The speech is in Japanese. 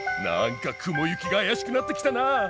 なんか雲行きが怪しくなってきたな。